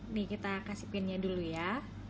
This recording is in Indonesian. nih kita kasih pin nya dulu ya